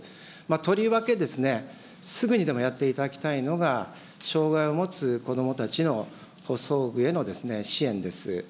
とりわけですね、すぐにでもやっていただきたいのが、障害を持つ子どもたちの補装具への支援です。